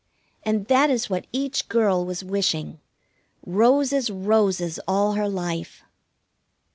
And that is what each girl was wishing: Roses, roses all her life!